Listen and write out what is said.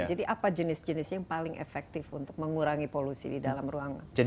jadi apa jenis jenisnya yang paling efektif untuk mengurangi polusi di dalam ruangan